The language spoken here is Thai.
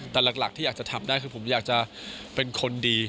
แต่หลักที่อยากจะทำได้คือผมอยากจะเป็นคนดี